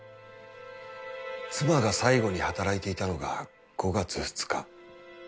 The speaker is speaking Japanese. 妻が最後に働いていたのが５月２日。